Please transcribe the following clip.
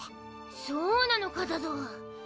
そうなのかだゾ？